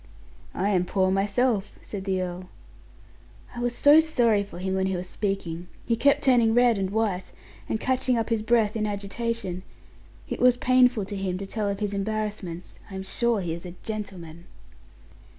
"I am poor myself," said the earl. "I was so sorry for him when he was speaking. He kept turning red and white, and catching up his breath in agitation; it was painful to him to tell of his embarrassments. I am sure he is a gentleman."